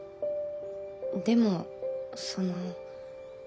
でもその。